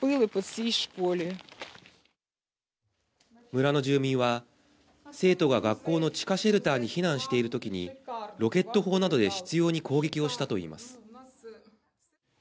村の住民は、生徒が学校の地下シェルターに避難している時にロケット砲などで執拗に攻撃したといいます。